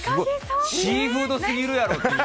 シーフードすぎるやろっていう。